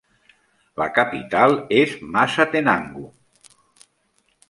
La capital és Mazatenango.